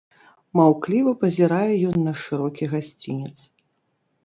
Маўкліва пазірае ён на шырокі гасцінец.